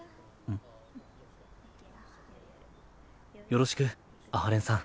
よろしく阿波連さん。